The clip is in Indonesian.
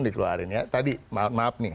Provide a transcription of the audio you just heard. dikeluarin tadi maaf nih